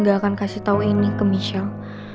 gak akan kasih tau ini ke michelle